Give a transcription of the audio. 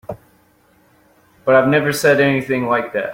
But I never said anything like that.